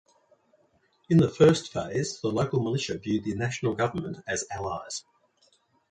In the first phase the local militia viewed the national government as allies.